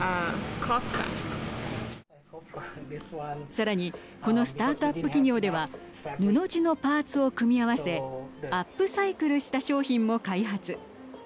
さらにこのスタートアップ企業では布地のパーツを組み合わせアップサイクルした商品も開発。